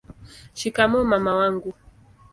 shikamoo mama wangu